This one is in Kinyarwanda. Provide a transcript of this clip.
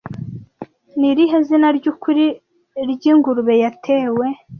Ni irihe zina ryukuri ryingurube yatewe